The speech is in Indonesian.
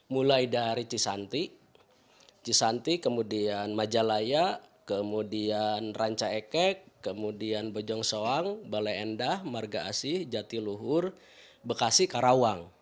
mulai dari cisanti cisanti kemudian majalaya kemudian ranca ekek kemudian bojong soang balai endah marga asih jatiluhur bekasi karawang